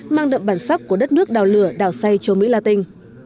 mang đậm bản sắc của đất nước đào lửa đào xay châu mỹ latin